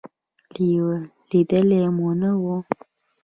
لېدلې مو نه وه.